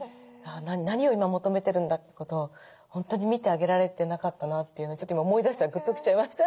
何を今求めてるんだってことを本当に見てあげられてなかったなというのをちょっと今思い出したらグッと来ちゃいました。